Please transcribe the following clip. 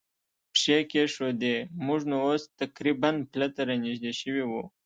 پښې کېښوودې، موږ نو اوس تقریباً پله ته را نږدې شوي و.